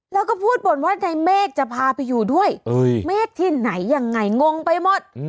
แล้วก็พูดบ่นว่าในเมฆจะพาไปอยู่ด้วยเมฆที่ไหนยังไงงงไปหมด